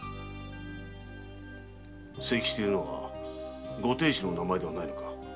清吉というのはご亭主の名前ではないのか？